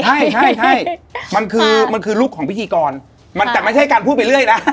ใช่มันคือลุกของพิธีกรแต่ไม่ใช่การพูดไปเรื่อยนะ